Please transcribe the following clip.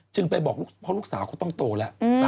ไปบอกเพราะลูกสาวเขาต้องโตแล้ว